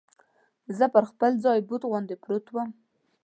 زه پر خپل ځای بت غوندې پروت ووم.